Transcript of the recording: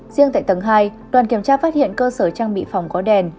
riêng tại tầng hai đoàn kiểm tra phát hiện cơ sở trang bị phòng có đèn